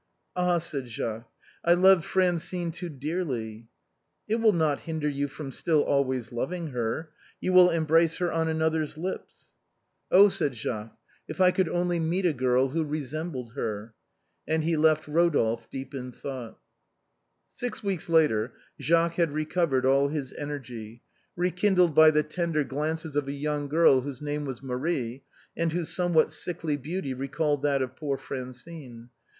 "Ah !" said Jacques, " I loved Francine too dearly." " It will not hinder you fTom still always loving her. You will embrace her on another's lips." 246 THE BOHEMIANS OF THE LATIN" QUARTER. "Oh !" said Jacques, "if I could only meet a girl who resembled her." And he left Rodolphe deep in thought. *« 4: Six weeks later Jacques had recovered all his energy, re kindled by the tender glances of a young girl whose name was Marie, and whose somewhat sickly beauty recalled that of poor Francine.